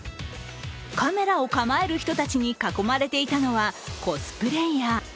カメラを構える人たちに囲まれていたのはコスプレーヤー。